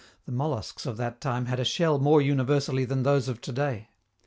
The molluscs of that time had a shell more universally than those of to day.